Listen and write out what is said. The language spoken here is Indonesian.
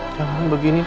jangan begini sayang